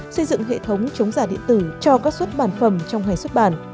xây dựng hệ thống chống giả điện tử cho các xuất bản phẩm trong ngày xuất bản